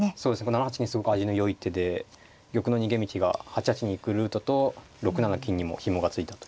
７八金すごく味のよい手で玉の逃げ道が８八に行くルートと６七金にもひもが付いたと。